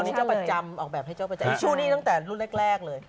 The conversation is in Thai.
นี่เจ้าประจำออกแบบให้เจ้าประจำช่วงนี้ตั้งแต่รุ่นแรกเลย